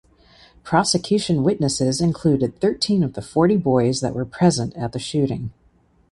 Prosecution witnesses included thirteen of the forty boys that were present at the shooting.